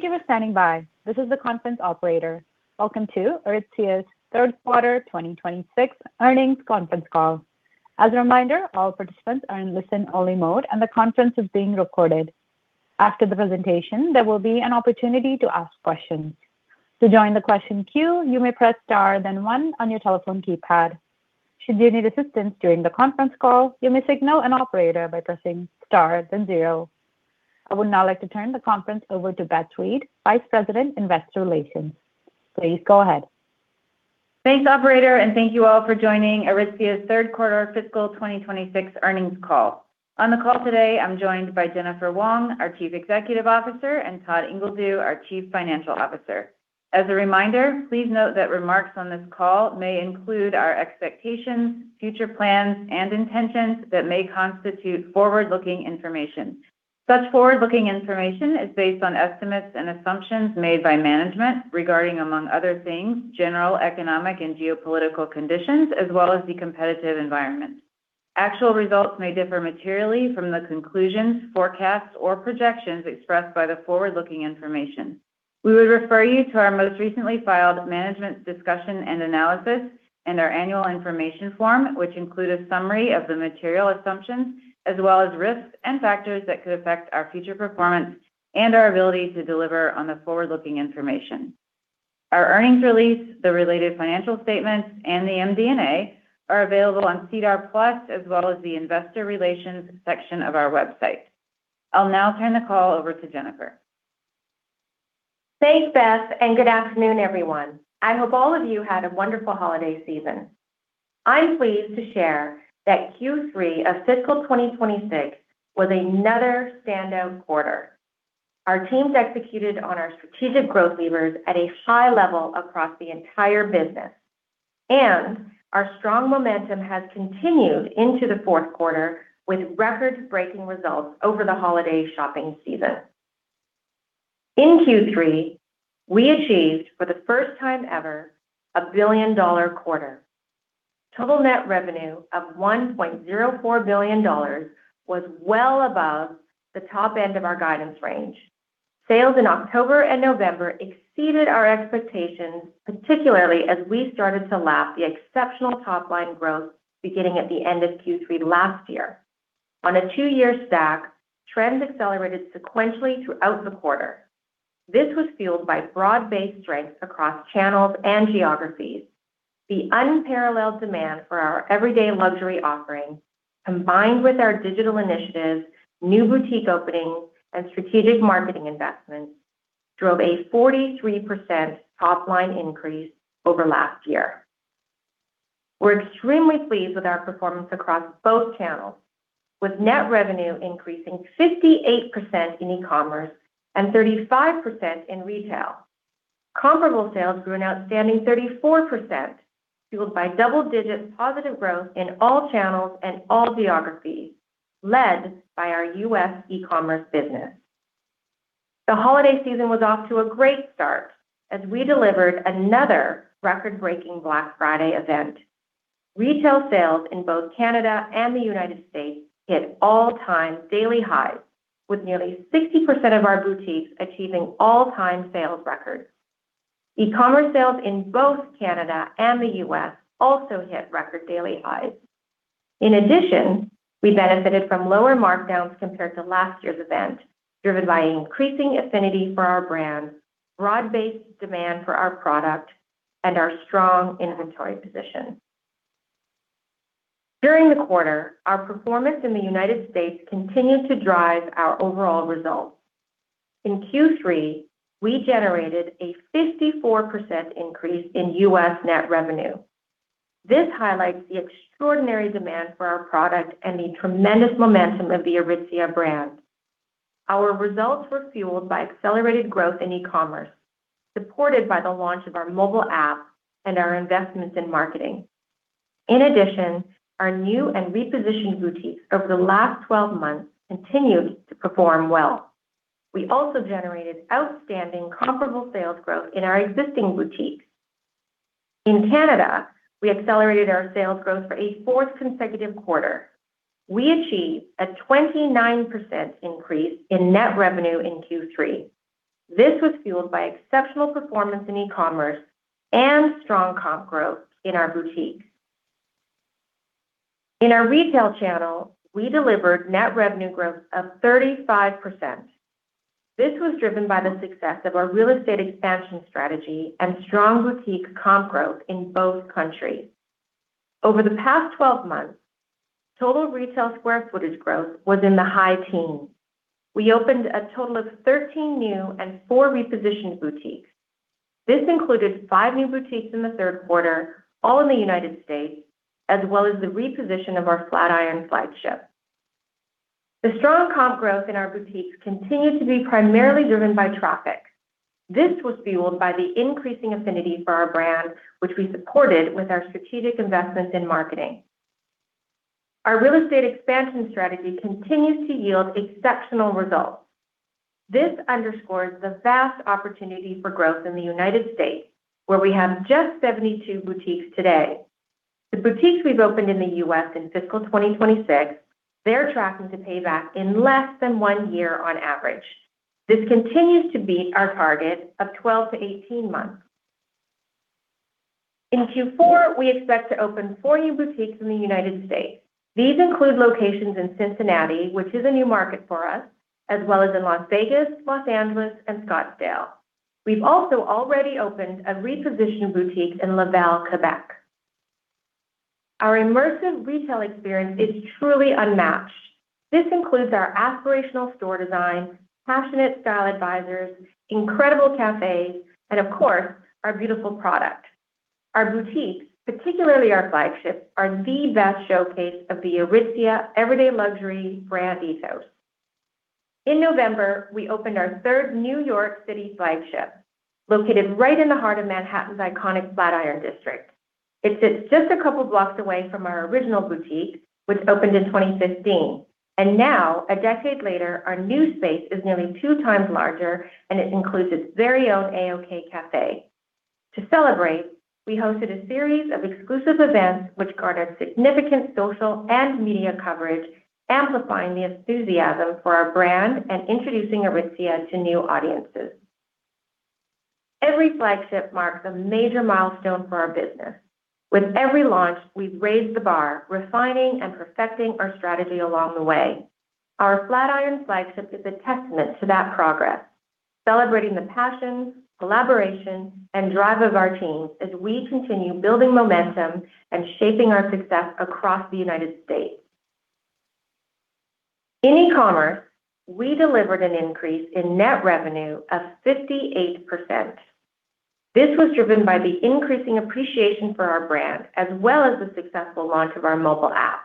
Thank you for standing by. This is the conference operator. Welcome to Aritzia's Q3 2026 Earnings Conference Call. As a reminder, all participants are in listen-only mode, and the conference is being recorded. After the presentation, there will be an opportunity to ask questions. To join the question queue, you may press star then 1 on your telephone keypad. Should you need assistance during the conference call, you may signal an operator by pressing star then 0. I would now like to turn the conference over to Beth Reed, Vice President, Investor Relations. Please go ahead. Thanks, Operator, and thank you all for joining Aritzia's Q3 Fiscal 2026 Earnings Call. On the call today, I'm joined by Jennifer Wong, our Chief Executive Officer, and Todd Ingledew, our Chief Financial Officer. As a reminder, please note that remarks on this call may include our expectations, future plans, and intentions that may constitute forward-looking information. Such forward-looking information is based on estimates and assumptions made by management regarding, among other things, general economic and geopolitical conditions, as well as the competitive environment. Actual results may differ materially from the conclusions, forecasts, or projections expressed by the forward-looking information. We would refer you to our most recently filed management discussion and analysis and our annual information form, which includes a summary of the material assumptions as well as risks and factors that could affect our future performance and our ability to deliver on the forward-looking information. Our earnings release, the related financial statements, and the MD&A are available on SEDAR+, as well as the Investor Relations section of our website. I'll now turn the call over to Jennifer. Thanks, Beth, and good afternoon, everyone. I hope all of you had a wonderful holiday season. I'm pleased to share that Q3 of fiscal 2026 was another standout quarter. Our teams executed on our strategic growth levers at a high level across the entire business, and our strong momentum has continued into the fourth quarter with record-breaking results over the holiday shopping season. In Q3, we achieved, for the first time ever, a billion-dollar quarter. Total net revenue of 1.04 billion dollars was well above the top end of our guidance range. Sales in October and November exceeded our expectations, particularly as we started to lap the exceptional top-line growth beginning at the end of Q3 last year. On a two-year stack, trends accelerated sequentially throughout the quarter. This was fueled by broad-based strength across channels and geographies. The unparalleled demand for our everyday luxury offering, combined with our digital initiatives, new boutique openings, and strategic marketing investments, drove a 43% top-line increase over last year. We're extremely pleased with our performance across both channels, with net revenue increasing 58% in e-commerce and 35% in retail. Comparable sales grew an outstanding 34%, fueled by double-digit positive growth in all channels and all geographies, led by our U.S. e-commerce business. The holiday season was off to a great start as we delivered another record-breaking Black Friday event. Retail sales in both Canada and the United States hit all-time daily highs, with nearly 60% of our boutiques achieving all-time sales records. E-commerce sales in both Canada and the U.S. also hit record daily highs. In addition, we benefited from lower markdowns compared to last year's event, driven by increasing affinity for our brand, broad-based demand for our product, and our strong inventory position. During the quarter, our performance in the United States continued to drive our overall results. In Q3, we generated a 54% increase in U.S. net revenue. This highlights the extraordinary demand for our product and the tremendous momentum of the Aritzia brand. Our results were fueled by accelerated growth in e-commerce, supported by the launch of our mobile app and our investments in marketing. In addition, our new and repositioned boutiques over the last 12 months continued to perform well. We also generated outstanding comparable sales growth in our existing boutiques. In Canada, we accelerated our sales growth for a fourth consecutive quarter. We achieved a 29% increase in net revenue in Q3. This was fueled by exceptional performance in e-commerce and strong comp growth in our boutiques. In our retail channel, we delivered net revenue growth of 35%. This was driven by the success of our real estate expansion strategy and strong boutique comp growth in both countries. Over the past 12 months, total retail square footage growth was in the high teens. We opened a total of 13 new and four repositioned boutiques. This included five new boutiques in the Q3, all in the United States, as well as the reposition of our Flatiron flagship. The strong comp growth in our boutiques continued to be primarily driven by traffic. This was fueled by the increasing affinity for our brand, which we supported with our strategic investments in marketing. Our real estate expansion strategy continues to yield exceptional results. This underscores the vast opportunity for growth in the United States, where we have just 72 boutiques today. The boutiques we've opened in the U.S. in fiscal 2026, they're tracking to pay back in less than one year on average. This continues to beat our target of 12-18 months. In Q4, we expect to open four new boutiques in the United States. These include locations in Cincinnati, which is a new market for us, as well as in Las Vegas, Los Angeles, and Scottsdale. We've also already opened a repositioned boutique in Laval, Quebec. Our immersive retail experience is truly unmatched. This includes our aspirational store design, passionate Style Advisors, incredible cafes, and of course, our beautiful product. Our boutiques, particularly our flagship, are the best showcase of the Aritzia Everyday Luxury brand ethos. In November, we opened our third New York City flagship, located right in the heart of Manhattan's iconic Flatiron District. It sits just a couple of blocks away from our original boutique, which opened in 2015. And now, a decade later, our new space is nearly two times larger, and it includes its very own A-OK Cafe. To celebrate, we hosted a series of exclusive events, which garnered significant social and media coverage, amplifying the enthusiasm for our brand and introducing Aritzia to new audiences. Every flagship marks a major milestone for our business. With every launch, we've raised the bar, refining and perfecting our strategy along the way. Our Flatiron Flagship is a testament to that progress, celebrating the passion, collaboration, and drive of our teams as we continue building momentum and shaping our success across the United States. In e-commerce, we delivered an increase in net revenue of 58%. This was driven by the increasing appreciation for our brand, as well as the successful launch of our mobile app.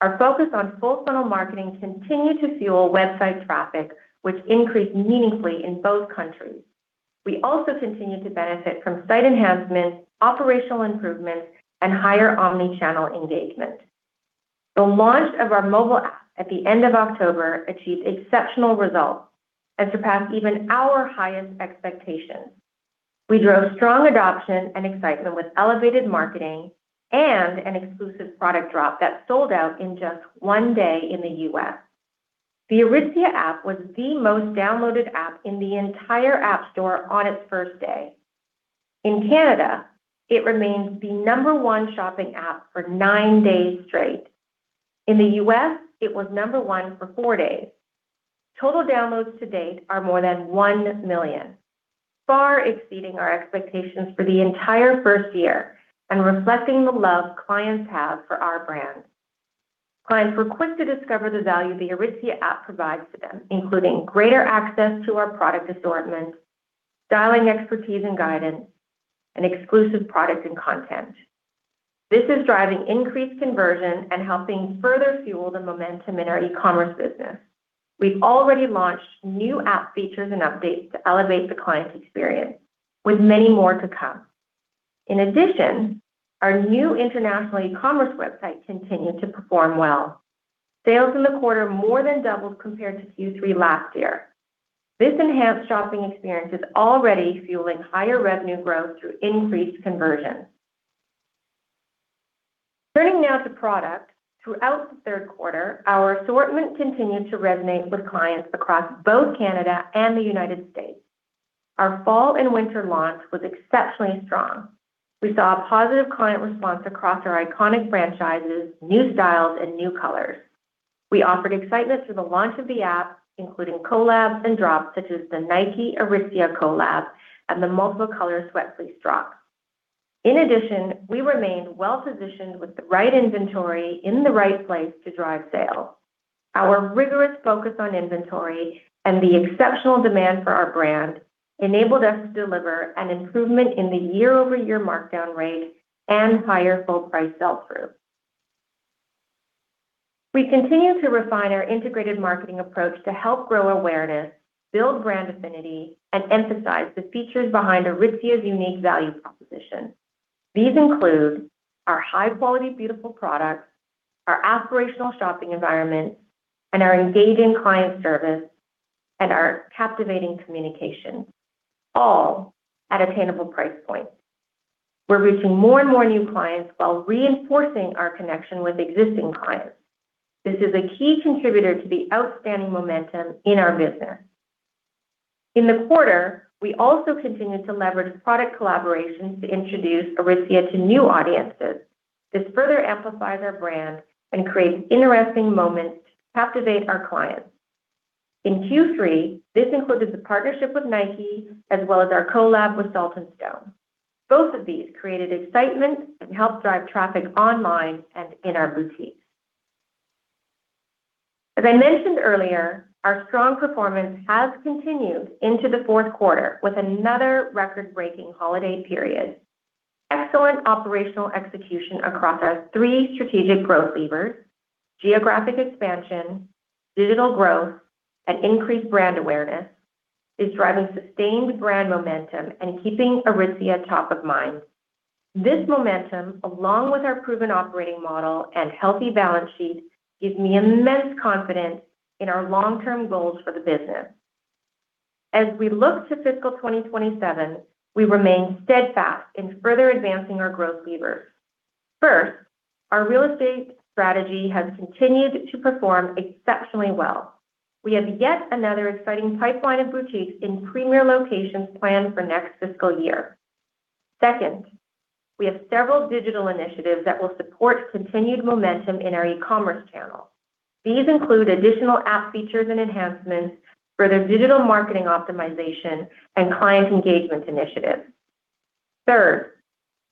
Our focus on full-funnel marketing continued to fuel website traffic, which increased meaningfully in both countries. We also continued to benefit from site enhancements, operational improvements, and higher omnichannel engagement. The launch of our mobile app at the end of October achieved exceptional results and surpassed even our highest expectations. We drove strong adoption and excitement with elevated marketing and an exclusive product drop that sold out in just one day in the U.S. The Aritzia app was the most downloaded app in the entire App Store on its first day. In Canada, it remains the number one shopping app for nine days straight. In the U.S., it was number one for four days. Total downloads to date are more than 1 million, far exceeding our expectations for the entire first year and reflecting the love clients have for our brand. Clients were quick to discover the value the Aritzia app provides to them, including greater access to our product assortment, styling expertise and guidance, and exclusive product and content. This is driving increased conversion and helping further fuel the momentum in our e-commerce business. We've already launched new app features and updates to elevate the client experience, with many more to come. In addition, our new international e-commerce website continued to perform well. Sales in the quarter more than doubled compared to Q3 last year. This enhanced shopping experience is already fueling higher revenue growth through increased conversion. Turning now to product, throughout the Q3, our assortment continued to resonate with clients across both Canada and the United States. Our fall and winter launch was exceptionally strong. We saw a positive client response across our iconic franchises, new styles, and new colors. We offered excitement through the launch of the app, including collabs and drops such as the Nike Aritzia collab and the multiple color Sweatfleece drop. In addition, we remained well-positioned with the right inventory in the right place to drive sales. Our rigorous focus on inventory and the exceptional demand for our brand enabled us to deliver an improvement in the year-over-year markdown rate and higher full-price sell-through. We continue to refine our integrated marketing approach to help grow awareness, build brand affinity, and emphasize the features behind Aritzia's unique value proposition. These include our high-quality, beautiful products, our aspirational shopping environments, and our engaging client service and our captivating communication, all at attainable price points. We're reaching more and more new clients while reinforcing our connection with existing clients. This is a key contributor to the outstanding momentum in our business. In the quarter, we also continued to leverage product collaborations to introduce Aritzia to new audiences. This further amplifies our brand and creates interesting moments to captivate our clients. In Q3, this included the partnership with Nike as well as our collab with Salt & Stone. Both of these created excitement and helped drive traffic online and in our boutiques. As I mentioned earlier, our strong performance has continued into the Q4 with another record-breaking holiday period. Excellent operational execution across our three strategic growth levers, geographic expansion, digital growth, and increased brand awareness is driving sustained brand momentum and keeping Aritzia top of mind. This momentum, along with our proven operating model and healthy balance sheet, gives me immense confidence in our long-term goals for the business. As we look to fiscal 2027, we remain steadfast in further advancing our growth levers. First, our real estate strategy has continued to perform exceptionally well. We have yet another exciting pipeline of boutiques in premier locations planned for next fiscal year. Second, we have several digital initiatives that will support continued momentum in our e-commerce channel. These include additional app features and enhancements for their digital marketing optimization and client engagement initiatives. Third,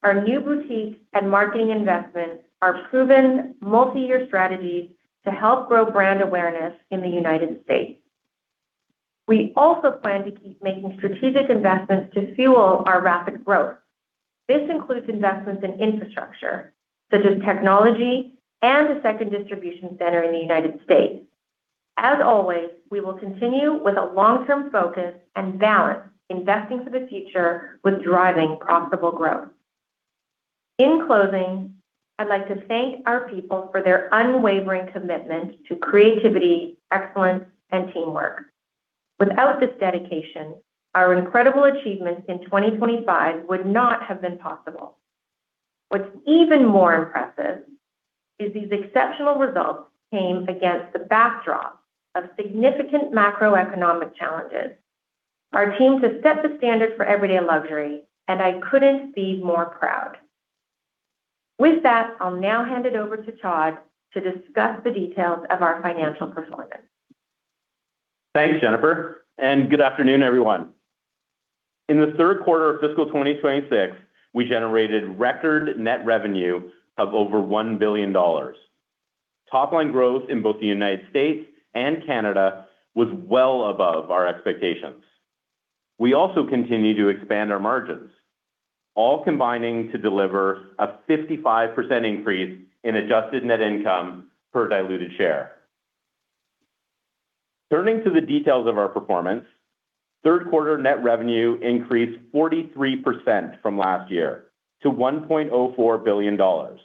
our new boutiques and marketing investments are proven multi-year strategies to help grow brand awareness in the United States. We also plan to keep making strategic investments to fuel our rapid growth. This includes investments in infrastructure such as technology and a second distribution center in the United States. As always, we will continue with a long-term focus and balance investing for the future with driving profitable growth. In closing, I'd like to thank our people for their unwavering commitment to creativity, excellence, and teamwork. Without this dedication, our incredible achievements in 2025 would not have been possible. What's even more impressive is these exceptional results came against the backdrop of significant macroeconomic challenges. Our team has set the standard for everyday luxury, and I couldn't be more proud. With that, I'll now hand it over to Todd to discuss the details of our financial performance. Thanks, Jennifer. And good afternoon, everyone. In the Q3 of fiscal 2026, we generated record net revenue of over 1 billion dollars. Top-line growth in both the United States and Canada was well above our expectations. We also continue to expand our margins, all combining to deliver a 55% increase in adjusted net income per diluted share. Turning to the details of our performance, Q3 net revenue increased 43% from last year to 1.04 billion dollars.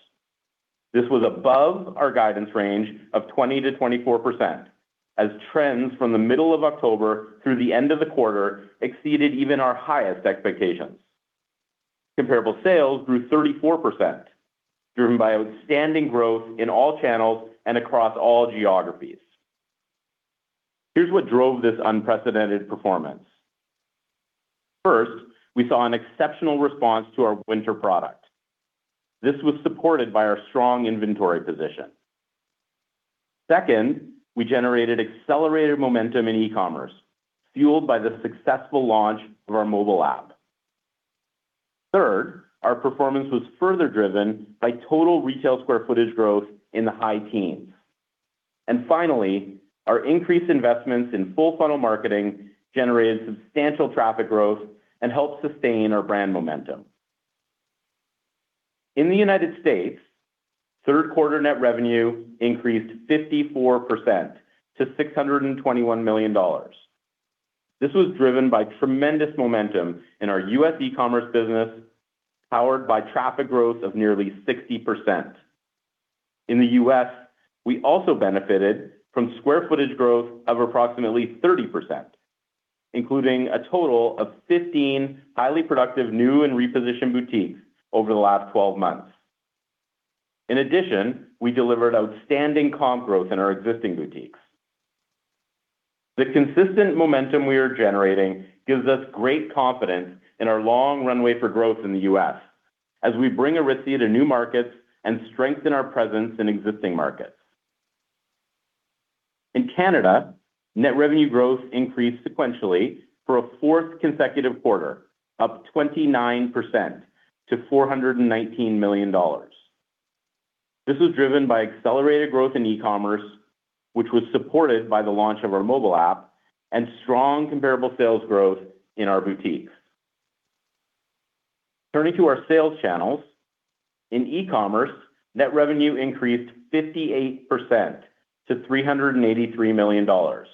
This was above our guidance range of 20%-24%, as trends from the middle of October through the end of the quarter exceeded even our highest expectations. Comparable sales grew 34%, driven by outstanding growth in all channels and across all geographies. Here's what drove this unprecedented performance. First, we saw an exceptional response to our winter product. This was supported by our strong inventory position. Second, we generated accelerated momentum in e-commerce, fueled by the successful launch of our mobile app. Third, our performance was further driven by total retail square footage growth in the high teens. And finally, our increased investments in full-funnel marketing generated substantial traffic growth and helped sustain our brand momentum. In the United States, Q3 net revenue increased 54% to $621 million. This was driven by tremendous momentum in our U.S. e-commerce business, powered by traffic growth of nearly 60%. In the U.S., we also benefited from square footage growth of approximately 30%, including a total of 15 highly productive new and repositioned boutiques over the last 12 months. In addition, we delivered outstanding comp growth in our existing boutiques. The consistent momentum we are generating gives us great confidence in our long runway for growth in the U.S., as we bring Aritzia to new markets and strengthen our presence in existing markets. In Canada, net revenue growth increased sequentially for a fourth consecutive quarter, up 29% to 419 million dollars. This was driven by accelerated growth in e-commerce, which was supported by the launch of our mobile app and strong comparable sales growth in our boutiques. Turning to our sales channels, in e-commerce, net revenue increased 58% to 383 million dollars.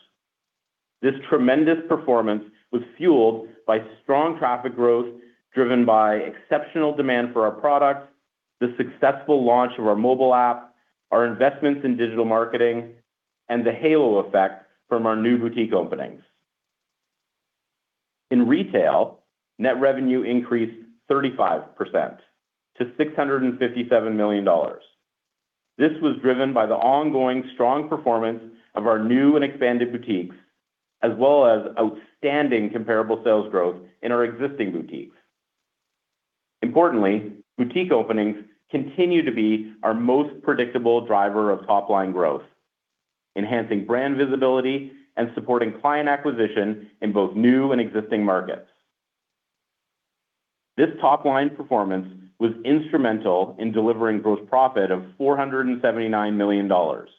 This tremendous performance was fueled by strong traffic growth driven by exceptional demand for our products, the successful launch of our mobile app, our investments in digital marketing, and the halo effect from our new boutique openings. In retail, net revenue increased 35% to 657 million dollars. This was driven by the ongoing strong performance of our new and expanded boutiques, as well as outstanding comparable sales growth in our existing boutiques. Importantly, boutique openings continue to be our most predictable driver of top-line growth, enhancing brand visibility and supporting client acquisition in both new and existing markets. This top-line performance was instrumental in delivering gross profit of 479 million dollars,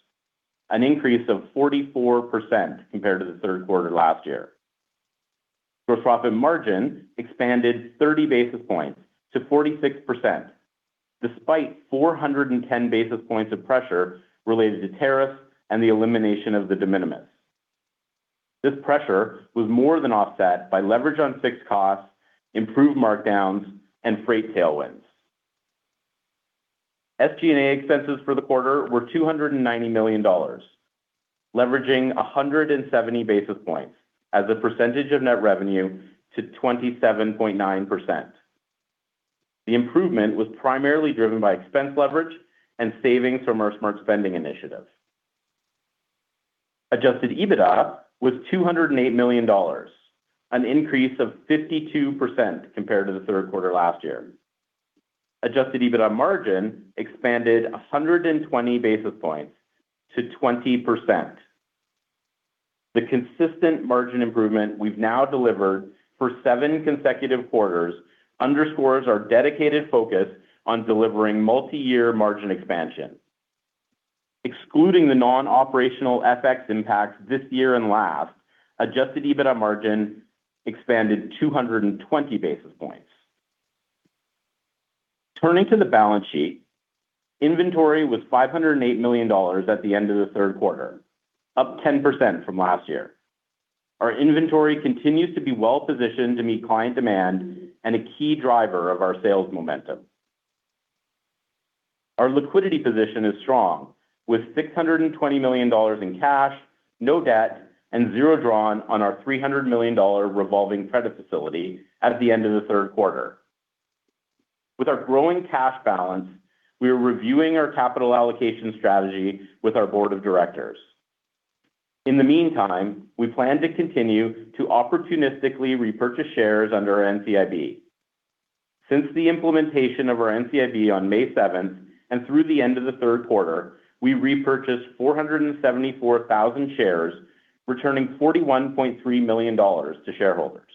an increase of 44% compared to the Q3 last year. Gross profit margin expanded 30 basis points to 46%, despite 410 basis points of pressure related to tariffs and the elimination of the de minimis. This pressure was more than offset by leverage on fixed costs, improved markdowns, and freight tailwinds. SG&A expenses for the quarter were 290 million dollars, leveraging 170 basis points as a percentage of net revenue to 27.9%. The improvement was primarily driven by expense leverage and savings from our smart spending initiative. Adjusted EBITDA was 208 million dollars, an increase of 52% compared to the Q3 last year. Adjusted EBITDA margin expanded 120 basis points to 20%. The consistent margin improvement we've now delivered for seven consecutive quarters underscores our dedicated focus on delivering multi-year margin expansion. Excluding the non-operational FX impacts this year and last, adjusted EBITDA margin expanded 220 basis points. Turning to the balance sheet, inventory was 508 million dollars at the end of the Q3, up 10% from last year. Our inventory continues to be well-positioned to meet client demand and a key driver of our sales momentum. Our liquidity position is strong, with 620 million dollars in cash, no debt, and zero drawn on our 300 million dollar revolving credit facility at the end of the Q3. With our growing cash balance, we are reviewing our capital allocation strategy with our board of directors. In the meantime, we plan to continue to opportunistically repurchase shares under our NCIB. Since the implementation of our NCIB on May 7th and through the end of the Q3, we repurchased 474,000 shares, returning 41.3 million dollars to shareholders.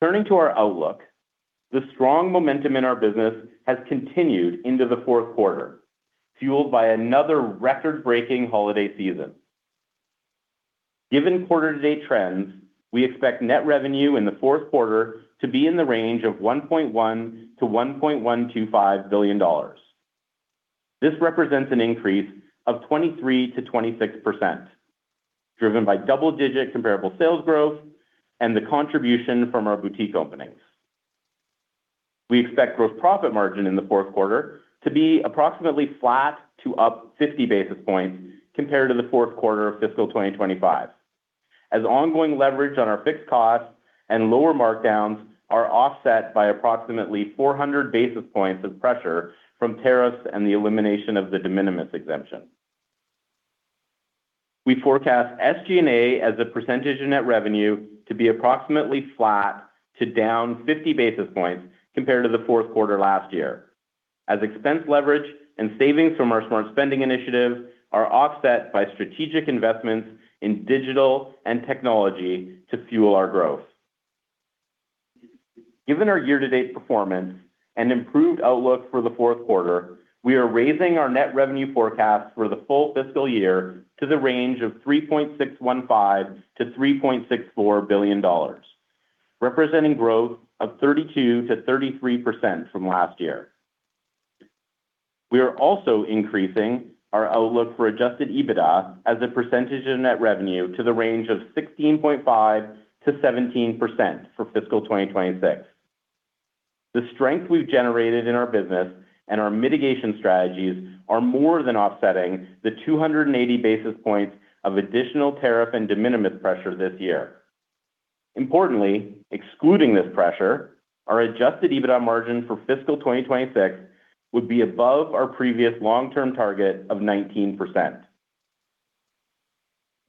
Turning to our outlook, the strong momentum in our business has continued into the Q4, fueled by another record-breaking holiday season. Given quarter-to-date trends, we expect net revenue in the Q4 to be in the range of 1.1 billion-1.125 billion dollars. This represents an increase of 23% to 26%, driven by double-digit comparable sales growth and the contribution from our boutique openings. We expect gross profit margin in the Q4 to be approximately flat to up 50 basis points compared to the Q4 of fiscal 2025, as ongoing leverage on our fixed costs and lower markdowns are offset by approximately 400 basis points of pressure from tariffs and the elimination of the De Minimis Exemption. We forecast SG&A as a percentage of net revenue to be approximately flat to down 50 basis points compared to the Q4 last year, as expense leverage and savings from our Smart Spending initiative are offset by strategic investments in digital and technology to fuel our growth. Given our year-to-date performance and improved outlook for the Q4, we are raising our net revenue forecast for the full fiscal year to the range of 3.615 billion-3.64 billion dollars, representing growth of 32%-33% from last year. We are also increasing our outlook for Adjusted EBITDA as a percentage of net revenue to the range of 16.5%-17% for fiscal 2026. The strength we've generated in our business and our mitigation strategies are more than offsetting the 280 basis points of additional tariff and de minimis pressure this year. Importantly, excluding this pressure, our Adjusted EBITDA margin for fiscal 2026 would be above our previous long-term target of 19%.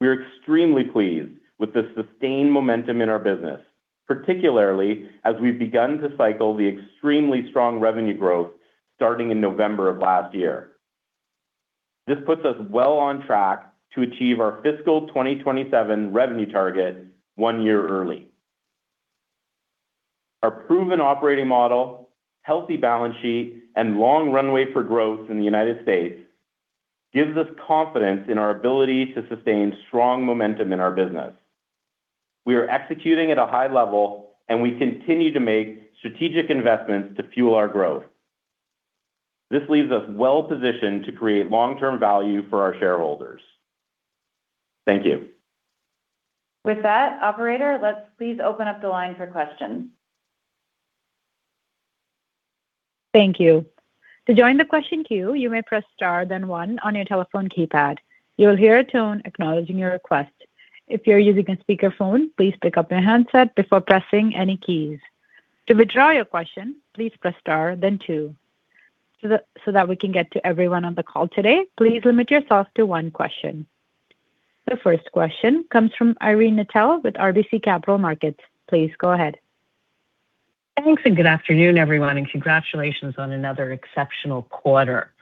We are extremely pleased with the sustained momentum in our business, particularly as we've begun to cycle the extremely strong revenue growth starting in November of last year. This puts us well on track to achieve our fiscal 2027 revenue target one year early. Our proven operating model, healthy balance sheet, and long runway for growth in the United States gives us confidence in our ability to sustain strong momentum in our business. We are executing at a high level, and we continue to make strategic investments to fuel our growth. This leaves us well-positioned to create long-term value for our shareholders. Thank you. With that, Operator, let's please open up the line for questions. Thank you. To join the question queue, you may press star, then 1 on your telephone keypad. You will hear a tone acknowledging your request. If you're using a speakerphone, please pick up your handset before pressing any keys. To withdraw your question, please press star, then 2. So that we can get to everyone on the call today, please limit yourself to one question. The first question comes from Irene Nattel with RBC Capital Markets. Please go ahead. Thanks and good afternoon, everyone, and congratulations on another exceptional quarter.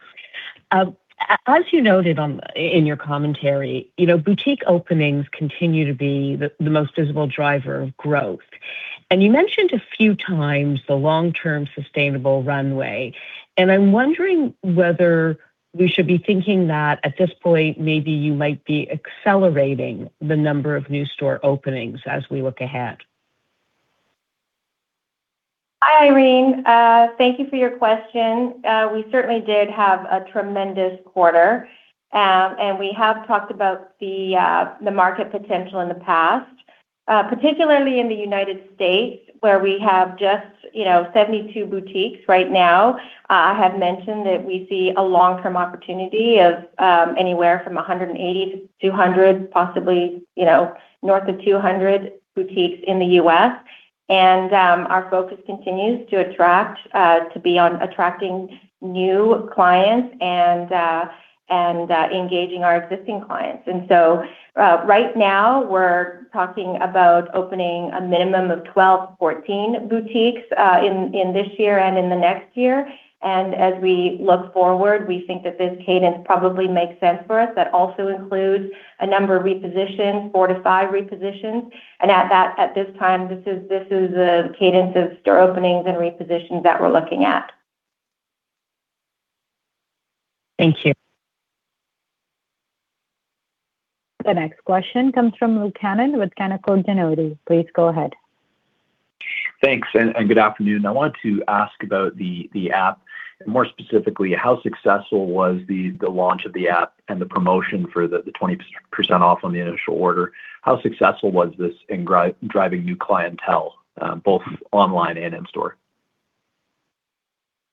As you noted in your commentary, boutique openings continue to be the most visible driver of growth. And you mentioned a few times the long-term sustainable runway. And I'm wondering whether we should be thinking that at this point, maybe you might be accelerating the number of new store openings as we look ahead? Hi, Irene. Thank you for your question. We certainly did have a tremendous quarter, and we have talked about the market potential in the past, particularly in the United States, where we have just 72 boutiques right now. I have mentioned that we see a long-term opportunity of anywhere from 180-200, possibly north of 200 boutiques in the U.S. And our focus continues to be on attracting new clients and engaging our existing clients. And so right now, we're talking about opening a minimum of 12-14 boutiques in this year and in the next year. And as we look forward, we think that this cadence probably makes sense for us. That also includes a number of repositions, four to five repositions. And at this time, this is the cadence of store openings and repositions that we're looking at. Thank you. The next question comes from Luke Hannan with Canaccord Genuity. Please go ahead. Thanks. Good afternoon. I wanted to ask about the app, more specifically, how successful was the launch of the app and the promotion for the 20% off on the initial order? How successful was this in driving new clientele, both online and in-store?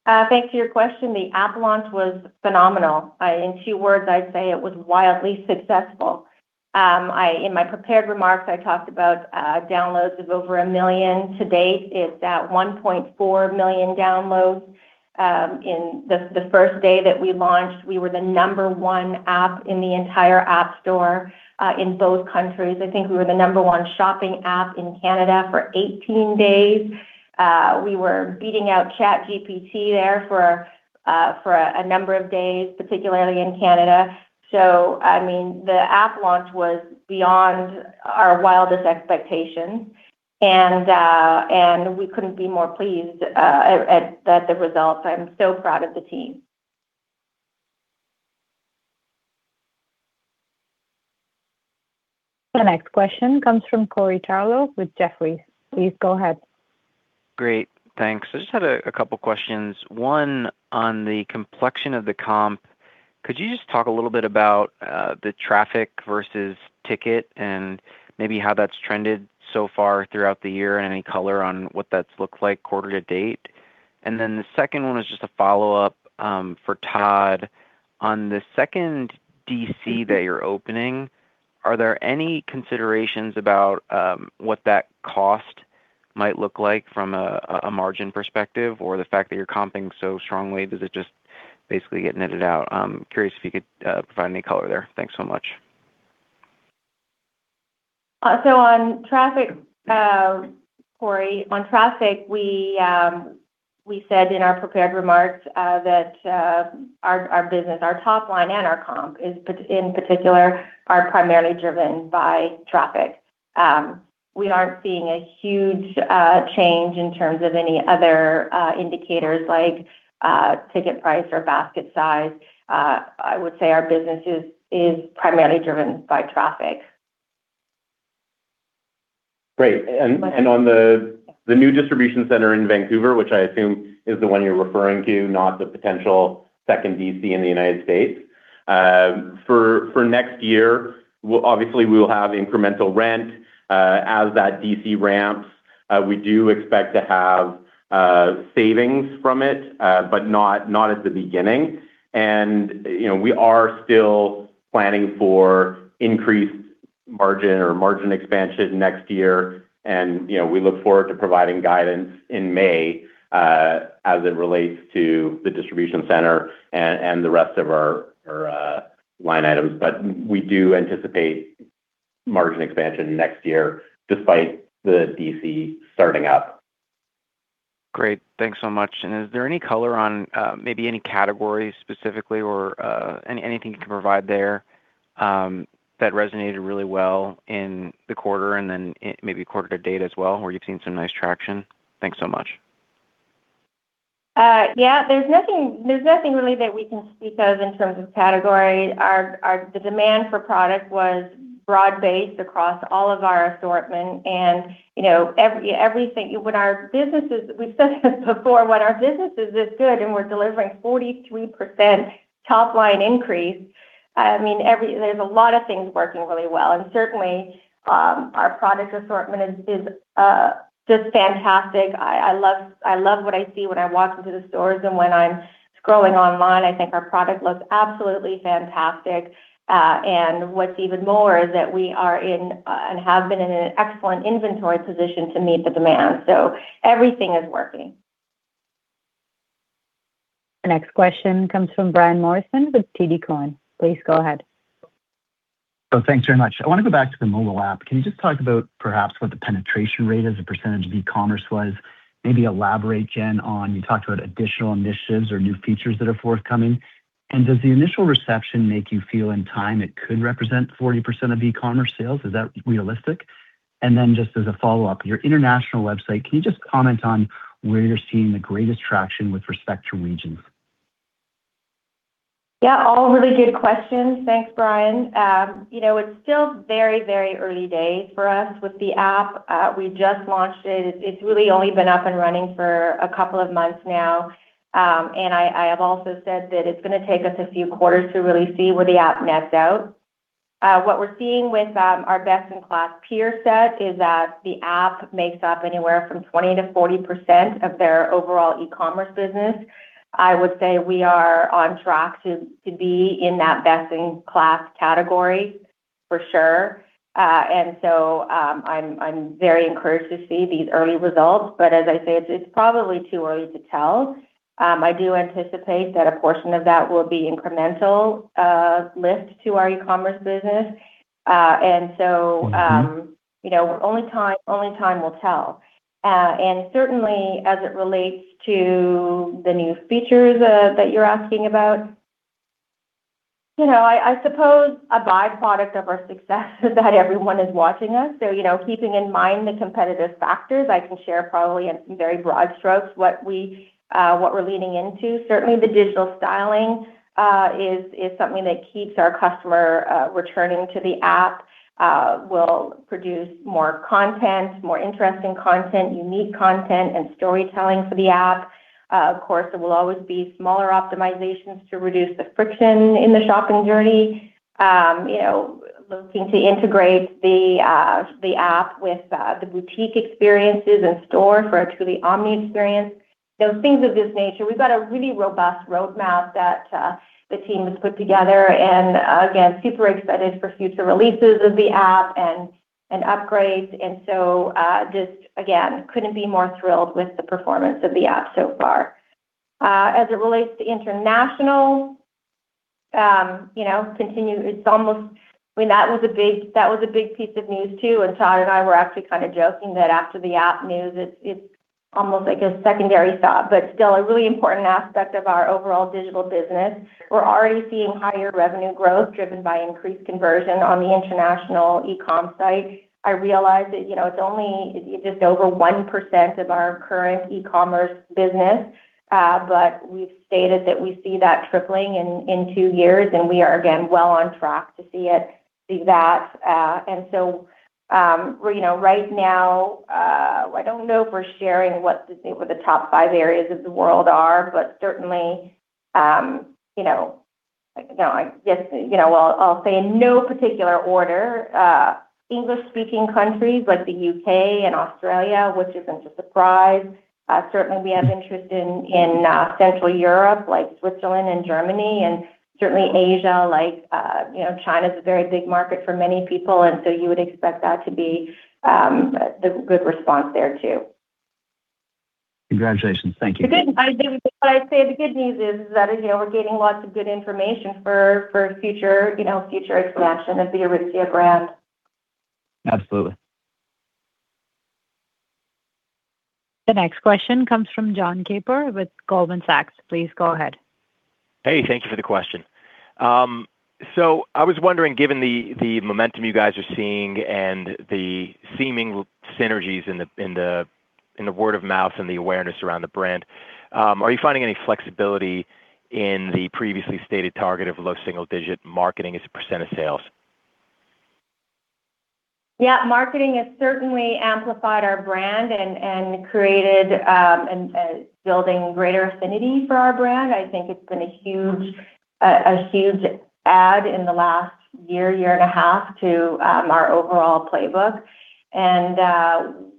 Thanks for your question. The app launch was phenomenal. In two words, I'd say it was wildly successful. In my prepared remarks, I talked about downloads of over a million. To date, it's at 1.4 million downloads. In the first day that we launched, we were the number one app in the entire App Store in both countries. I think we were the number one shopping app in Canada for 18 days. We were beating out ChatGPT there for a number of days, particularly in Canada. So, I mean, the app launch was beyond our wildest expectations, and we couldn't be more pleased at the results. I'm so proud of the team. The next question comes from Corey Tarlowe with Jefferies. Please go ahead. Great. Thanks. I just had a couple of questions. One on the complexion of the comp. Could you just talk a little bit about the traffic versus ticket and maybe how that's trended so far throughout the year and any color on what that's looked like quarter to date? And then the second one was just a follow-up for Todd. On the second DC that you're opening, are there any considerations about what that cost might look like from a margin perspective or the fact that you're comping so strongly? Does it just basically get netted out? I'm curious if you could provide any color there. Thanks so much. So on traffic, Corey, on traffic, we said in our prepared remarks that our business, our top line and our comp, in particular, are primarily driven by traffic. We aren't seeing a huge change in terms of any other indicators like ticket price or basket size. I would say our business is primarily driven by traffic. Great. And on the new distribution center in Vancouver, which I assume is the one you're referring to, not the potential second DC in the United States, for next year, obviously, we will have incremental rent. As that DC ramps, we do expect to have savings from it, but not at the beginning. And we are still planning for increased margin or margin expansion next year. And we look forward to providing guidance in May as it relates to the distribution center and the rest of our line items. But we do anticipate margin expansion next year despite the DC starting up. Great. Thanks so much. And is there any color on maybe any categories specifically or anything you can provide there that resonated really well in the quarter and then maybe quarter to date as well where you've seen some nice traction? Thanks so much. Yeah. There's nothing really that we can speak of in terms of category. The demand for product was broad-based across all of our assortment. And when our businesses, we've said this before, when our businesses are good and we're delivering 43% top-line increase, I mean, there's a lot of things working really well. And certainly, our product assortment is just fantastic. I love what I see when I walk into the stores and when I'm scrolling online. I think our product looks absolutely fantastic. And what's even more is that we are in and have been in an excellent inventory position to meet the demand. So everything is working. The next question comes from Brian Morrison with TD Cowen. Please go ahead. So thanks very much. I want to go back to the mobile app. Can you just talk about perhaps what the penetration rate as a percentage of e-commerce was? Maybe elaborate, Jen, on, you talked about additional initiatives or new features that are forthcoming. And does the initial reception make you feel in time it could represent 40% of e-commerce sales? Is that realistic? And then just as a follow-up, your international website, can you just comment on where you're seeing the greatest traction with respect to regions? Yeah. All really good questions. Thanks, Brian. It's still very, very early days for us with the app. We just launched it. It's really only been up and running for a couple of months now. And I have also said that it's going to take us a few quarters to really see where the app nets out. What we're seeing with our best-in-class peer set is that the app makes up anywhere from 20%-40% of their overall e-commerce business. I would say we are on track to be in that best-in-class category for sure. And so I'm very encouraged to see these early results. But as I say, it's probably too early to tell. I do anticipate that a portion of that will be incremental lift to our e-commerce business. And so only time will tell. Certainly, as it relates to the new features that you're asking about, I suppose a byproduct of our success is that everyone is watching us. So keeping in mind the competitive factors, I can share probably in very broad strokes what we're leaning into. Certainly, the digital styling is something that keeps our customer returning to the app. We'll produce more content, more interesting content, unique content, and storytelling for the app. Of course, there will always be smaller optimizations to reduce the friction in the shopping journey, looking to integrate the app with the boutique experiences and store for a truly omni experience. Those things of this nature. We've got a really robust roadmap that the team has put together. And again, super excited for future releases of the app and upgrades. And so just, again, couldn't be more thrilled with the performance of the app so far. As it relates to international, it's almost, I mean, that was a big piece of news too. And Todd and I were actually kind of joking that after the app news, it's almost like a secondary thought, but still a really important aspect of our overall digital business. We're already seeing higher revenue growth driven by increased conversion on the international e-comm site. I realize that it's only just over 1% of our current e-commerce business, but we've stated that we see that tripling in two years. And we are, again, well on track to see that. And so right now, I don't know if we're sharing what the top five areas of the world are, but certainly, I guess I'll say in no particular order, English-speaking countries like the U.K. and Australia, which isn't a surprise. Certainly, we have interest in Central Europe like Switzerland and Germany. Certainly, Asia like China is a very big market for many people. And so you would expect that to be the good response there too. Congratulations. Thank you. I'd say the good news is that we're getting lots of good information for future expansion of the Aritzia brand. Absolutely. The next question comes from John Chappell with Goldman Sachs. Please go ahead. Hey, thank you for the question. So I was wondering, given the momentum you guys are seeing and the seeming synergies in the word of mouth and the awareness around the brand, are you finding any flexibility in the previously stated target of low single-digit marketing as a % of sales? Yeah. Marketing has certainly amplified our brand and created and is building greater affinity for our brand. I think it's been a huge add in the last year, year and a half to our overall playbook. And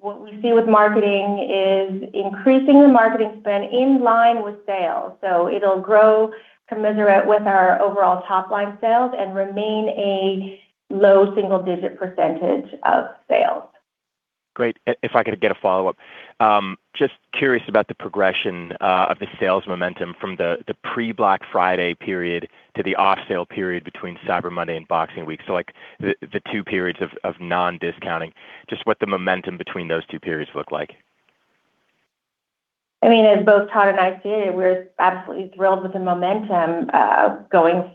what we see with marketing is increasing the marketing spend in line with sales. So it'll grow commensurate with our overall top-line sales and remain a low single-digit % of sales. Great. If I could get a follow-up, just curious about the progression of the sales momentum from the pre-Black Friday period to the off-sale period between Cyber Monday and Boxing Week, so the two periods of non-discounting. Just what the momentum between those two periods look like? I mean, as both Todd and I stated, we're absolutely thrilled with the momentum going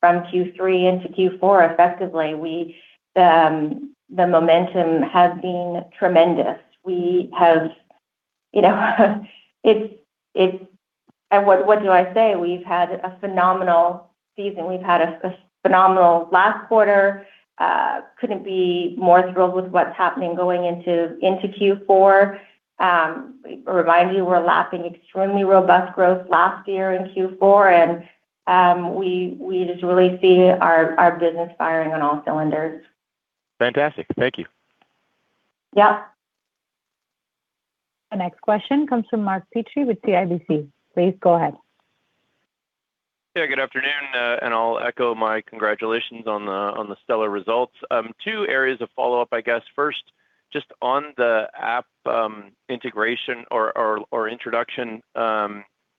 from Q3 into Q4 effectively. The momentum has been tremendous. And what do I say? We've had a phenomenal season. We've had a phenomenal last quarter. Couldn't be more thrilled with what's happening going into Q4. Remind you, we're lapping extremely robust growth last year in Q4. And we just really see our business firing on all cylinders. Fantastic. Thank you. Yeah. The next question comes from Mark Petrie with CIBC. Please go ahead. Yeah. Good afternoon. And I'll echo my congratulations on the stellar results. Two areas of follow-up, I guess. First, just on the app integration or introduction,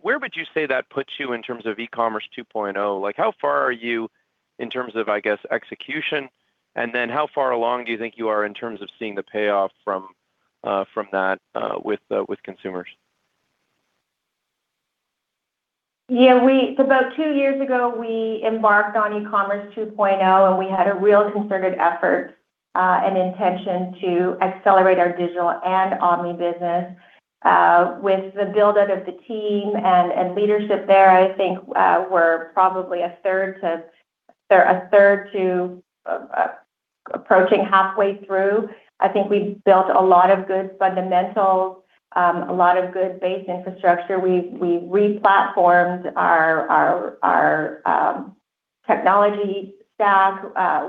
where would you say that puts you in terms of E-commerce 2.0? How far are you in terms of, I guess, execution? And then how far along do you think you are in terms of seeing the payoff from that with consumers? Yeah. About two years ago, we embarked on E-commerce 2.0, and we had a real concerted effort and intention to accelerate our digital and omni business. With the build-up of the team and leadership there, I think we're probably a third to approaching halfway through. I think we built a lot of good fundamentals, a lot of good base infrastructure. We re-platformed our technology stack.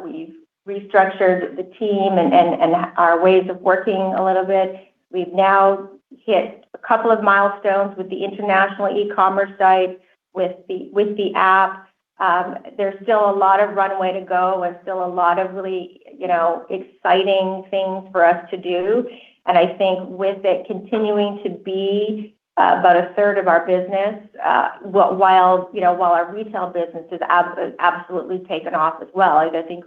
We've restructured the team and our ways of working a little bit. We've now hit a couple of milestones with the international e-commerce site, with the app. There's still a lot of runway to go and still a lot of really exciting things for us to do. And I think with it continuing to be about a third of our business while our retail business has absolutely taken off as well. I think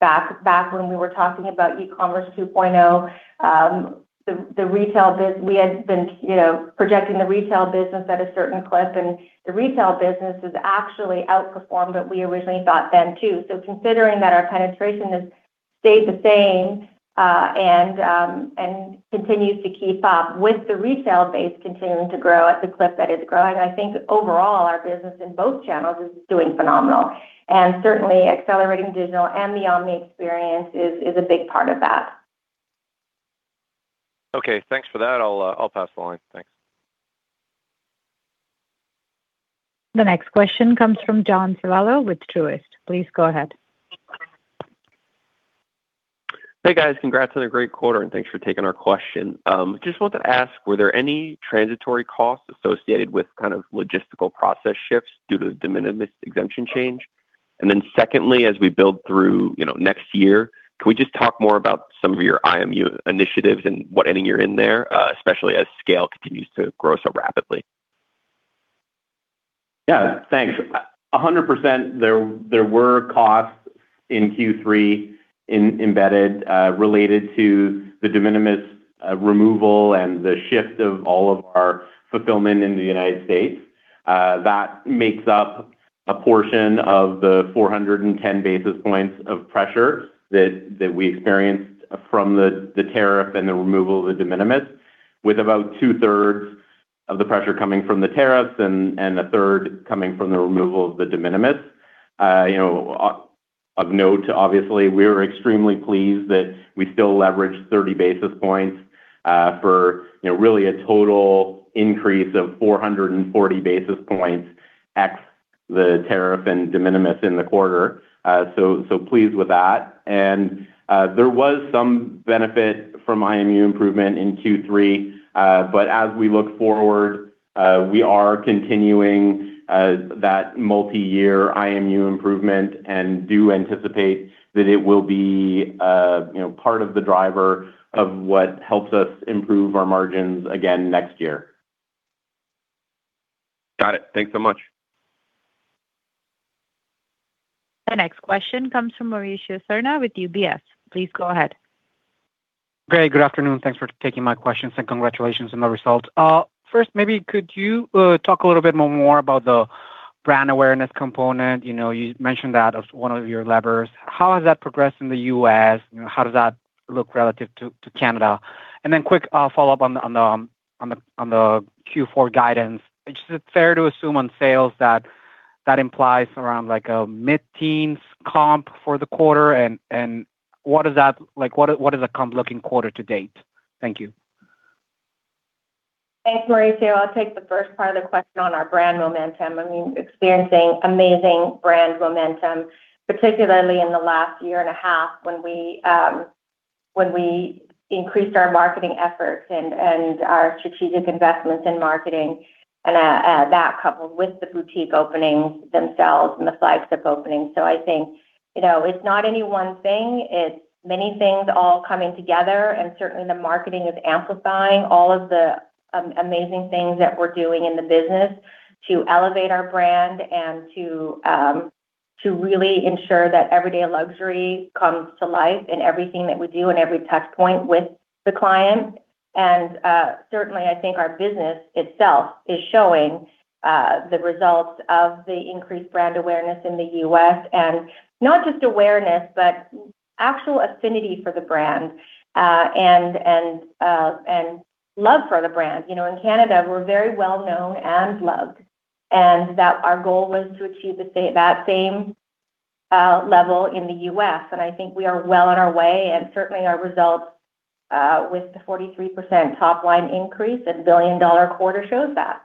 back when we were talking about e-commerce 2.0, we had been projecting the retail business at a certain clip, and the retail business has actually outperformed what we originally thought then too. So considering that our penetration has stayed the same and continues to keep up with the retail base continuing to grow at the clip that it's growing, I think overall our business in both channels is doing phenomenal, and certainly, accelerating digital and the omni experience is a big part of that. Okay. Thanks for that. I'll pass the line. Thanks. The next question comes from Joe Civello with Truist. Please go ahead. Hey, guys. Congrats on a great quarter, and thanks for taking our question. Just wanted to ask, were there any transitory costs associated with kind of logistical process shifts due to the De Minimis Exemption change? And then secondly, as we build through next year, can we just talk more about some of your IMU initiatives and what inning you're in there, especially as scale continues to grow so rapidly? Yeah. Thanks. 100%. There were costs in Q3 embedded related to the de minimis removal and the shift of all of our fulfillment in the United States. That makes up a portion of the 410 basis points of pressure that we experienced from the tariff and the removal of the de minimis, with about two-thirds of the pressure coming from the tariffs and a third coming from the removal of the de minimis. Of note, obviously, we were extremely pleased that we still leveraged 30 basis points for really a total increase of 440 basis points ex the tariff and de minimis in the quarter. So pleased with that. And there was some benefit from IMU improvement in Q3. But as we look forward, we are continuing that multi-year IMU improvement and do anticipate that it will be part of the driver of what helps us improve our margins again next year. Got it. Thanks so much. The next question comes from Mauricio Serna with UBS. Please go ahead. Okay. Good afternoon. Thanks for taking my questions and congratulations on the results. First, maybe could you talk a little bit more about the brand awareness component? You mentioned that as one of your levers. How has that progressed in the U.S.? How does that look relative to Canada? And then quick follow-up on the Q4 guidance. Is it fair to assume on sales that that implies around a mid-teens comp for the quarter? And what does that look like in quarter to date? Thank you. Thanks, Mauricio. I'll take the first part of the question on our brand momentum. I mean, experiencing amazing brand momentum, particularly in the last year and a half when we increased our marketing efforts and our strategic investments in marketing, and that coupled with the boutique openings themselves and the flagship openings. So I think it's not any one thing. It's many things all coming together, and certainly, the marketing is amplifying all of the amazing things that we're doing in the business to elevate our brand and to really ensure that everyday luxury comes to life in everything that we do and every touchpoint with the client, and certainly, I think our business itself is showing the results of the increased brand awareness in the U.S., and not just awareness, but actual affinity for the brand and love for the brand. In Canada, we're very well known and loved. Our goal was to achieve that same level in the U.S. I think we are well on our way. Certainly, our results with the 43% top-line increase and 1 billion dollar quarter shows that.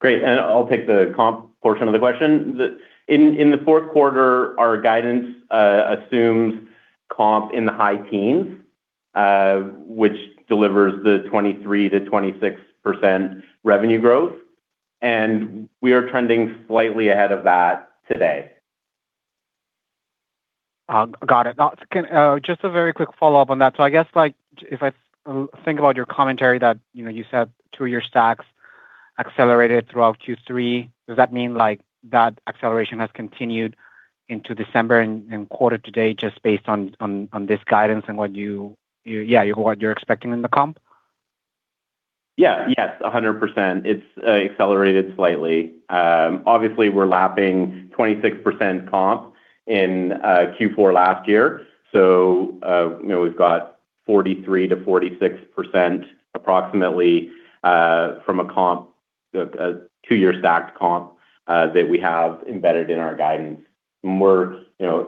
Great. And I'll take the comp portion of the question. In the Q4, our guidance assumes comp in the high teens, which delivers the 23%-26% revenue growth. And we are trending slightly ahead of that today. Got it. Just a very quick follow-up on that. So I guess if I think about your commentary that you said two-year stacks accelerated throughout Q3, does that mean that acceleration has continued into December and quarter to date just based on this guidance and what you're expecting in the comp? Yeah. Yes. 100%. It's accelerated slightly. Obviously, we're lapping 26% comp in Q4 last year. So we've got 43%-46% approximately from a two-year stacked comp that we have embedded in our guidance. We're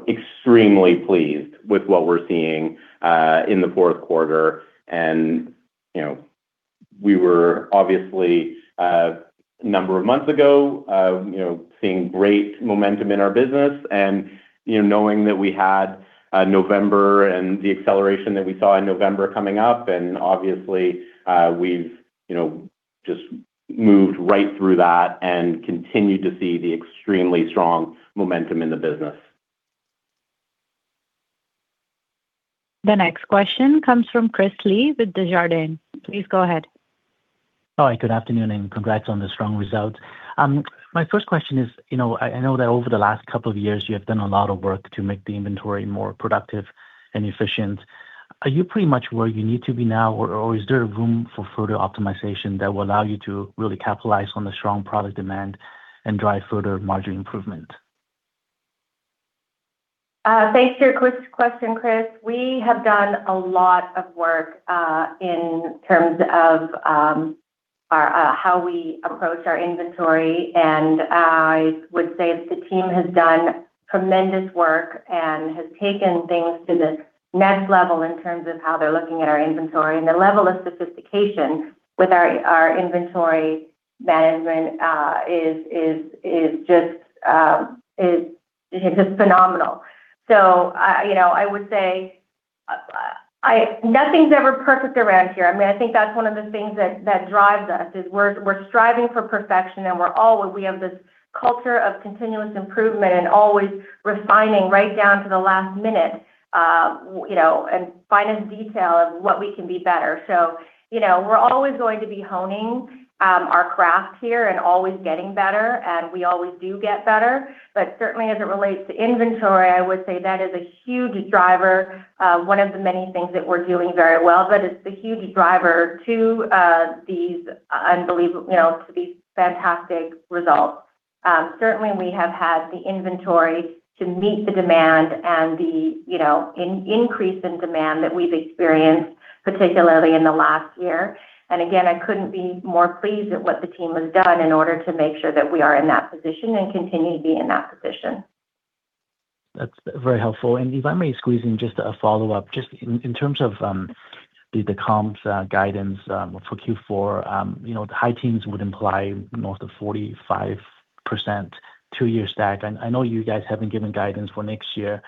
extremely pleased with what we're seeing in the Q4. And we were obviously a number of months ago seeing great momentum in our business and knowing that we had November and the acceleration that we saw in November coming up. And obviously, we've just moved right through that and continued to see the extremely strong momentum in the business. The next question comes from Chris Li with Desjardins. Please go ahead. Hi. Good afternoon. And congrats on the strong results. My first question is, I know that over the last couple of years, you have done a lot of work to make the inventory more productive and efficient. Are you pretty much where you need to be now, or is there room for further optimization that will allow you to really capitalize on the strong product demand and drive further margin improvement? Thanks for your quick question, Chris. We have done a lot of work in terms of how we approach our inventory. And I would say that the team has done tremendous work and has taken things to the next level in terms of how they're looking at our inventory. And the level of sophistication with our inventory management is just phenomenal. So I would say nothing's ever perfect around here. I mean, I think that's one of the things that drives us is we're striving for perfection, and we have this culture of continuous improvement and always refining right down to the last minute and finest detail of what we can be better. So we're always going to be honing our craft here and always getting better. And we always do get better. But certainly, as it relates to inventory, I would say that is a huge driver, one of the many things that we're doing very well. But it's the huge driver to these fantastic results. Certainly, we have had the inventory to meet the demand and the increase in demand that we've experienced, particularly in the last year. And again, I couldn't be more pleased at what the team has done in order to make sure that we are in that position and continue to be in that position. That's very helpful. And if I may squeeze in just a follow-up, just in terms of the comps guidance for Q4, high teens would imply north of 45% two-year stack. And I know you guys haven't given guidance for next year.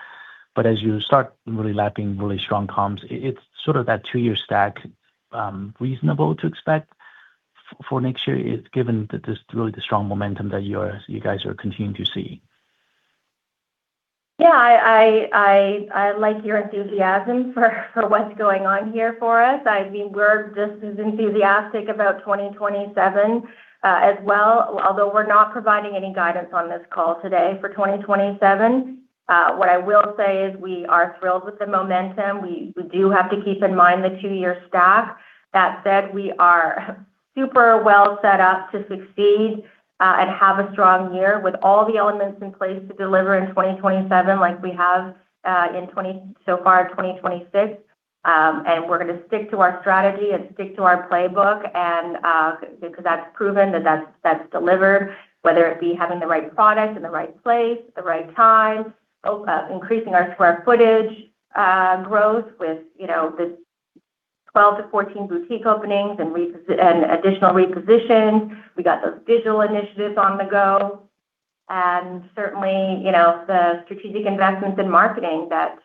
But as you start really lapping really strong comps, it's sort of that two-year stack reasonable to expect for next year given just really the strong momentum that you guys are continuing to see? Yeah. I like your enthusiasm for what's going on here for us. I mean, we're just as enthusiastic about 2027 as well, although we're not providing any guidance on this call today for 2027. What I will say is we are thrilled with the momentum. We do have to keep in mind the two-year stack. That said, we are super well set up to succeed and have a strong year with all the elements in place to deliver in 2027 like we have so far in 2026. And we're going to stick to our strategy and stick to our playbook because that's proven that that's delivered, whether it be having the right product in the right place, the right time, increasing our square footage growth with the 12-14 boutique openings and additional repositions. We got those digital initiatives on the go. And certainly, the strategic investments in marketing that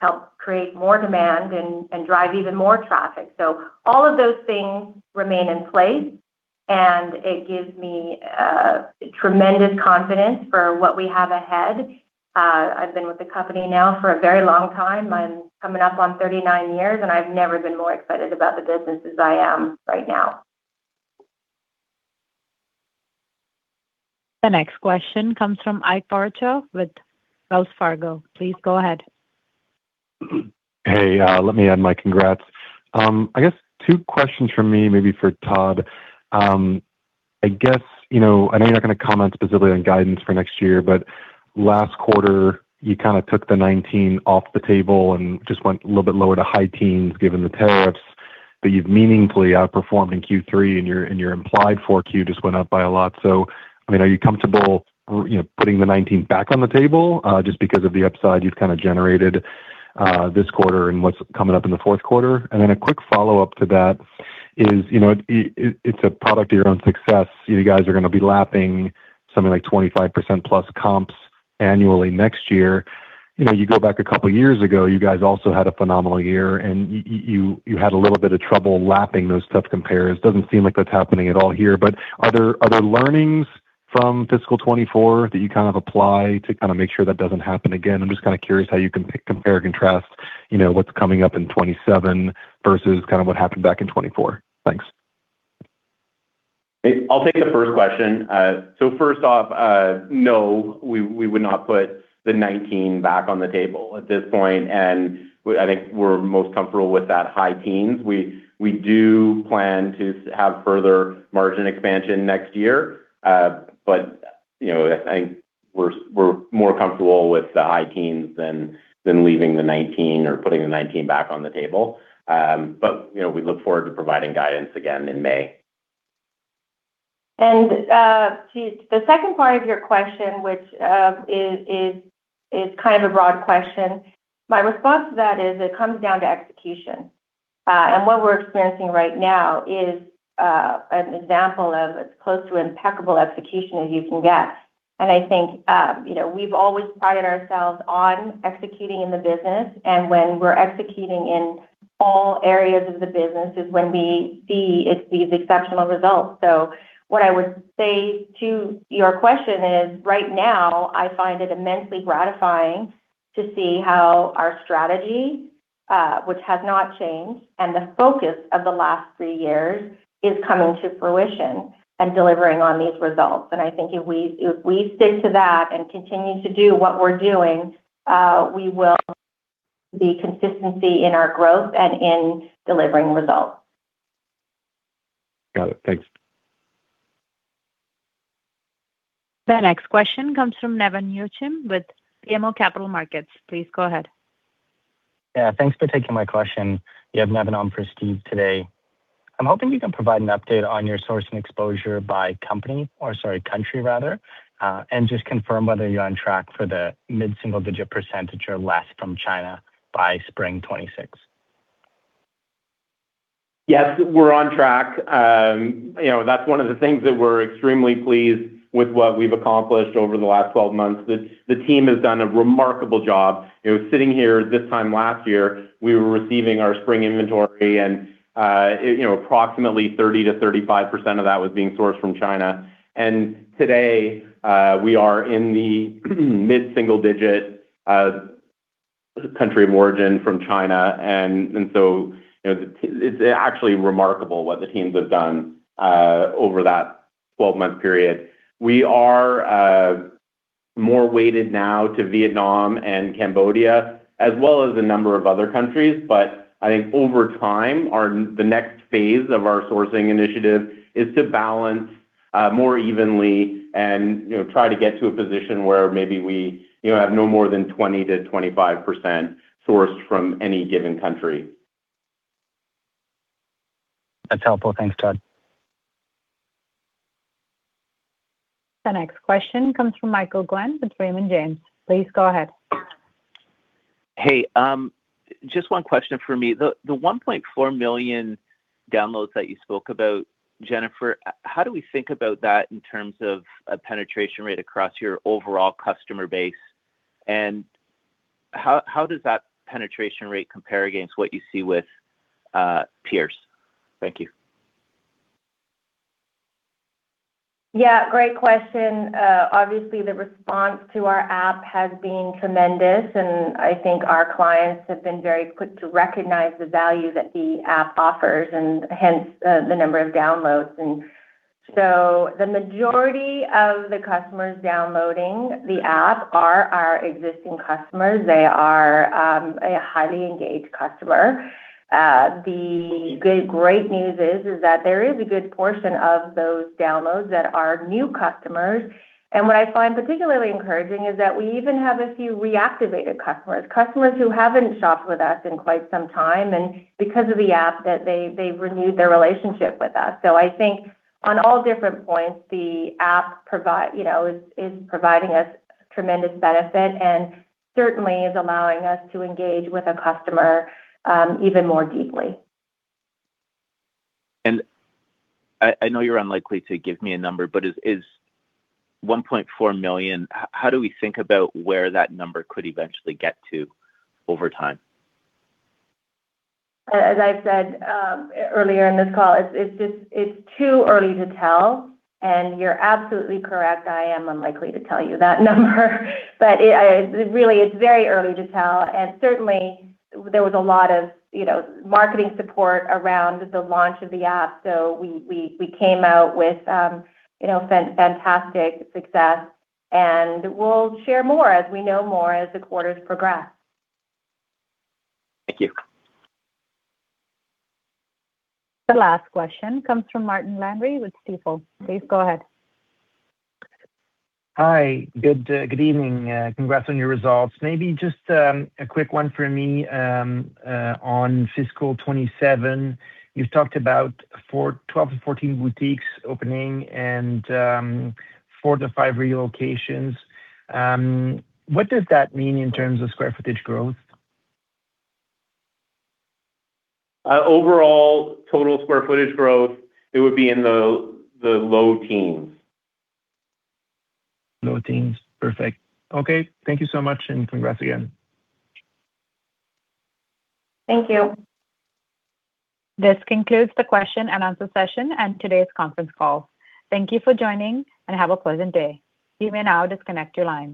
help create more demand and drive even more traffic. So all of those things remain in place, and it gives me tremendous confidence for what we have ahead. I've been with the company now for a very long time. I'm coming up on 39 years, and I've never been more excited about the business as I am right now. The next question comes from Ike Boruchow with Wells Fargo. Please go ahead. Hey, let me add my congrats. I guess two questions for me, maybe for Todd. I know you're not going to comment specifically on guidance for next year, but last quarter, you kind of took the 19% off the table and just went a little bit lower to high teens given the tariffs. But you've meaningfully outperformed in Q3, and your implied for Q just went up by a lot. So I mean, are you comfortable putting the 19% back on the table just because of the upside you've kind of generated this quarter and what's coming up in the Q4? And then a quick follow-up to that is it's a product of your own success. You guys are going to be lapping something like 25% plus comps annually next year. You go back a couple of years ago, you guys also had a phenomenal year, and you had a little bit of trouble lapping those tough comps. Doesn't seem like that's happening at all here. But are there learnings from Fiscal 2024 that you kind of apply to kind of make sure that doesn't happen again? I'm just kind of curious how you can compare and contrast what's coming up in 2027 versus kind of what happened back in 2024. Thanks. I'll take the first question. So first off, no, we would not put the 19 back on the table at this point. And I think we're most comfortable with that high teens. We do plan to have further margin expansion next year. But I think we're more comfortable with the high teens than leaving the 19 or putting the 19 back on the table. But we look forward to providing guidance again in May. The second part of your question, which is kind of a broad question, my response to that is it comes down to execution. What we're experiencing right now is an example of as close to impeccable execution as you can get. I think we've always prided ourselves on executing in the business. When we're executing in all areas of the business is when we see these exceptional results. What I would say to your question is right now, I find it immensely gratifying to see how our strategy, which has not changed, and the focus of the last three years is coming to fruition and delivering on these results. I think if we stick to that and continue to do what we're doing, we will see consistency in our growth and in delivering results. Got it. Thanks. The next question comes from Nevan Yochim with BMO Capital Markets. Please go ahead. Yeah. Thanks for taking my question. Yeah, Nevan on for Steve today. I'm hoping you can provide an update on your sourcing and exposure by company or, sorry, country rather, and just confirm whether you're on track for the mid-single-digit % or less from China by spring 2026. Yes, we're on track. That's one of the things that we're extremely pleased with what we've accomplished over the last 12 months. The team has done a remarkable job. Sitting here this time last year, we were receiving our spring inventory, and approximately 30%-35% of that was being sourced from China. And today, we are in the mid-single-digit country of origin from China. And so it's actually remarkable what the teams have done over that 12-month period. We are more weighted now to Vietnam and Cambodia, as well as a number of other countries. But I think over time, the next phase of our sourcing initiative is to balance more evenly and try to get to a position where maybe we have no more than 20%-25% sourced from any given country. That's helpful. Thanks, Todd. The next question comes from Michael Glen with Raymond James. Please go ahead. Hey, just one question for me. The 1.4 million downloads that you spoke about, Jennifer, how do we think about that in terms of a penetration rate across your overall customer base? And how does that penetration rate compare against what you see with peers? Thank you. Yeah. Great question. Obviously, the response to our app has been tremendous, and I think our clients have been very quick to recognize the value that the app offers and hence the number of downloads, and so the majority of the customers downloading the app are our existing customers. They are a highly engaged customer. The great news is that there is a good portion of those downloads that are new customers, and what I find particularly encouraging is that we even have a few reactivated customers, customers who haven't shopped with us in quite some time, and because of the app, they've renewed their relationship with us, so I think on all different points, the app is providing us tremendous benefit and certainly is allowing us to engage with a customer even more deeply. I know you're unlikely to give me a number, but is 1.4 million, how do we think about where that number could eventually get to over time? As I've said earlier in this call, it's too early to tell. And you're absolutely correct. I am unlikely to tell you that number. But really, it's very early to tell. And certainly, there was a lot of marketing support around the launch of the app. So we came out with fantastic success. And we'll share more as we know more as the quarters progress. Thank you. The last question comes from Martin Landry with Stifel. Please go ahead. Hi. Good evening. Congrats on your results. Maybe just a quick one for me on fiscal 2027. You've talked about 12 to 14 boutiques opening and 4 to 5 relocations. What does that mean in terms of square footage growth? Overall total square footage growth, it would be in the low teens. Low teens. Perfect. Okay. Thank you so much. And congrats again. Thank you. This concludes the question and answer session and today's conference call. Thank you for joining, and have a pleasant day. You may now disconnect your line.